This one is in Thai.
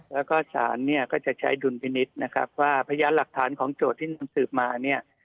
แล้วก็สารเนี่ยก็จะใช้ดุลพินิษฐ์นะครับว่าพยานหลักฐานของโจทย์ที่มันสืบมาเนี่ย